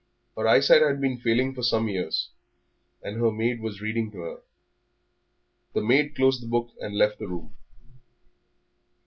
Her eyesight had been failing for some years, and her maid was reading to her. The maid closed the book and left the room.